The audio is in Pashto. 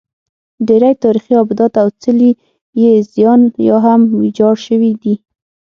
ډېری تاریخي ابدات او څلي یې زیان یا هم ویجاړ شوي دي